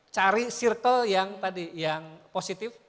cari circle yang tadi yang positif